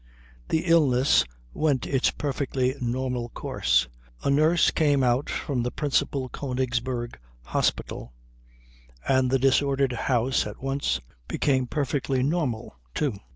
The illness went its perfectly normal course. A nurse came out from the principal Königsberg hospital and the disordered house at once became perfectly normal, too.